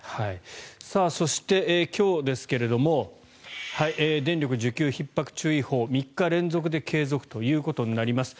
そして、今日ですが電力需給ひっ迫注意報３日連続で継続ということになります。